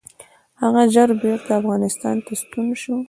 هغه ژر بیرته افغانستان ته ستون شي.